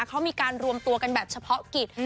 เขามีการรวมตัวกันแบบเฉพาะกิจ